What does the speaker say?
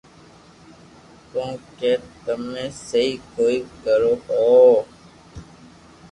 ڪويڪھ تمي سھي ڪوئي ڪرو ھون